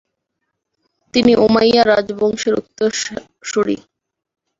তিনি উমাইয়া রাজবংশের উত্তরসূরী।